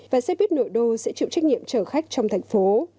và xe buýt nội đô sẽ chịu trách nhiệm chở khách trong thành phố